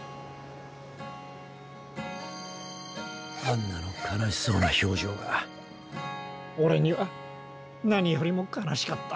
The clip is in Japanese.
アンナの悲しそうな表情がオレには何よりも悲しかった。